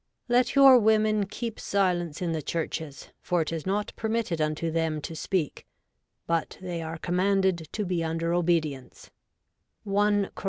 Let your women keep silence in the churches : for it is not permitted unto them to speak : but they are commanded to be under obedience' (i Cor.